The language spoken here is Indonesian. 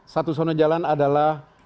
satu sonot jalan adalah